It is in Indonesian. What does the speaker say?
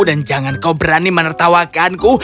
dan jangan kau berani menertawakanku